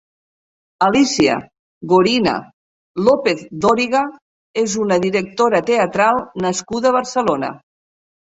Alícia Gorina López-Dóriga és una directora teatral nascuda a Barcelona.